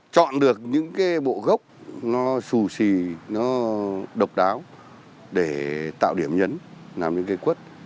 chọn được những cái bộ gốc nó xù xì nó độc đáo để tạo điểm nhấn làm những cây quất